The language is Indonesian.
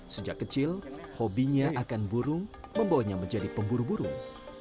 sejak kecil hobinya akan burung membawanya menjadi pemburu burung